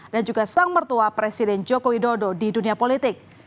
dan juga sang mertua presiden jokowi dodo di dunia politik